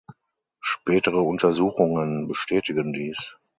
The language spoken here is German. Spätere Untersuchungen bestätigen dies.